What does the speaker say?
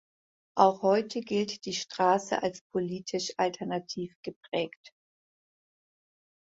Auch heute gilt die Straße als politisch alternativ geprägt.